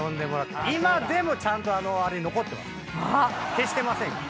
消してませんから。